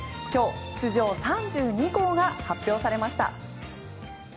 今日、出場３２校が発表されました。